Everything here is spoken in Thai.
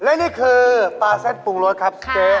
และนี่คือปลาเส้นปรุงรสครับเจ๊